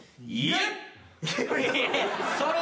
えっ？